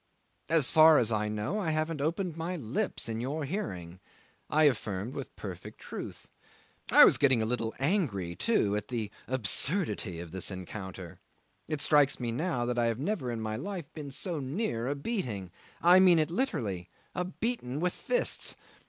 '"As far as I know, I haven't opened my lips in your hearing," I affirmed with perfect truth. I was getting a little angry, too, at the absurdity of this encounter. It strikes me now I have never in my life been so near a beating I mean it literally; a beating with fists.